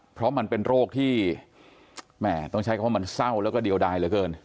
เพราะมันเป็นโรคที่แหม่ต้องใช้คำว่ามันเศร้าแล้วก็เดียวดายเหลือเกิน